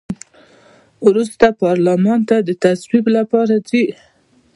وروسته پارلمان ته د تصویب لپاره ځي.